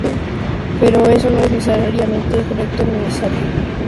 Pero eso no es ni necesariamente correcto ni necesario.